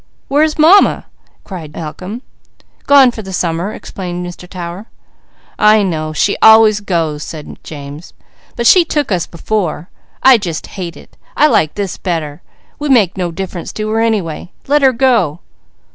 "Where is Mamma?" cried Malcolm. "Gone for the summer," explained Mr. Tower. "I know. She always goes," said James. "But she took us before. I just hate it. I like this better. We make no difference to her anyway. Let her go!"